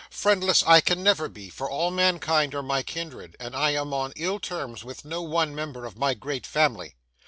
Friendless I can never be, for all mankind are my kindred, and I am on ill terms with no one member of my great family.